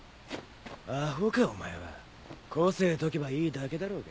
アホかお前は個性解けばいいだけだろうが。